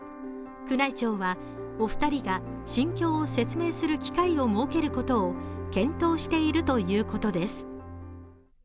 宮内庁は、お二人が心境を説明する機会を設けることを検討しているということです。